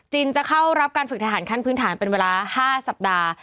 จะเข้ารับการฝึกทหารขั้นพื้นฐานเป็นเวลา๕สัปดาห์